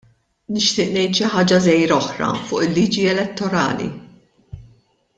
Nixtieq ngħid xi ħaġa żgħira oħra fuq il-liġi elettorali.